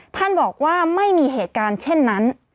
ท่านบอกว่าไม่มีเหตุการณ์เช่นนั้น